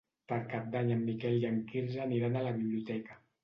Per Cap d'Any en Miquel i en Quirze aniran a la biblioteca.